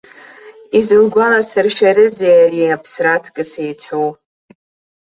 Изылгәаласыршәарызеи ари, аԥсра аҵкыс еицәоу.